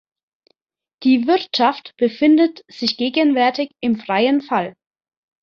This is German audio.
Die Wirtschaft befindet sich gegenwärtig im freien Fall.